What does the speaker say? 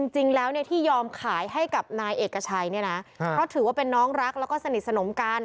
จริงแล้วที่ยอมขายให้กับนายเอกชัยเนี่ยนะเพราะถือว่าเป็นน้องรักแล้วก็สนิทสนมกัน